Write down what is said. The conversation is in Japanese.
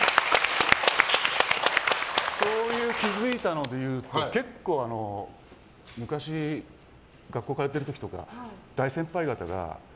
そういう気づいたのでいうと結構、昔学校に通っている時とか大先輩方が。